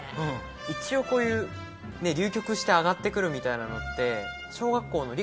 一応こういう隆起して上がって来るみたいなのって。